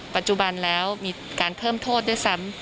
ปัจจุบันแล้วมีการเพิ่มโทษด้วยซ้ำ